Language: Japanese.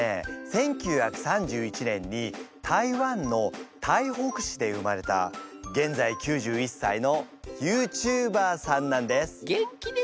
１９３１年に台湾の台北市で生まれた現在９１歳のＹｏｕＴｕｂｅｒさんなんです。